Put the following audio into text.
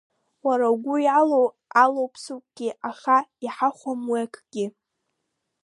Уара угәы иалоу алоуп сыгәгьы, аха иҳахәом уи акгьы.